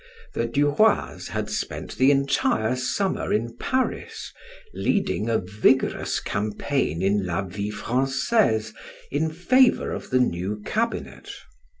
The Du Roys had spent the entire summer in Paris, leading a vigorous campaign in "La Vie Francaise," in favor of the new cabinet.